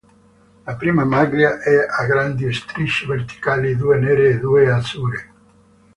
La prima maglia è a grandi strisce verticali, due nere e due azzurre.